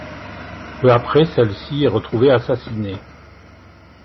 Peu après, celle-ci est retrouvée assassinée.